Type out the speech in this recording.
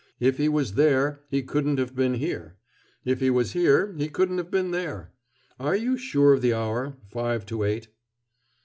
If he was there, he couldn't have been here. If he was here, he couldn't have been there. Are you sure of the hour five to eight?"